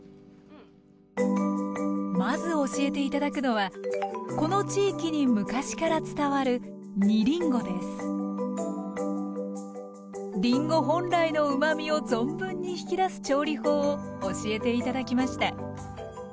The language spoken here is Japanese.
まず教えて頂くのはこの地域に昔から伝わるりんご本来のうまみを存分に引き出す調理法を教えて頂きました